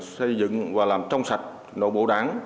xây dựng và làm trong sạch nội bộ đảng